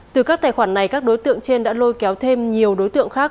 từ các tài khoản này các đối tượng trên đã lôi kéo thêm nhiều đối tượng khác